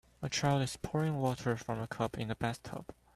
A child is pouring water from a cup in the bathtub.